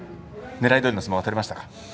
ねらいどおりの相撲が取れましたか？